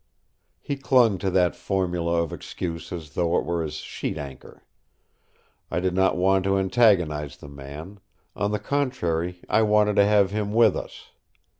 He clung to that formula of excuse as though it were his sheet anchor. I did not want to antagonise the man; on the contrary I wanted to have him with us.